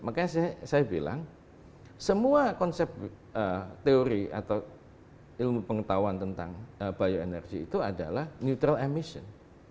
makanya saya bilang semua konsep teori atau ilmu pengetahuan tentang bioenergi itu adalah neutral emission